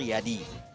saya hantu andi riadi